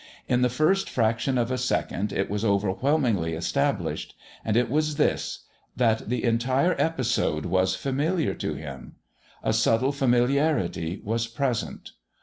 In the first fraction of a second it was overwhelmingly established. And it was this: that the entire episode was familiar to him. A subtle familiarity was present.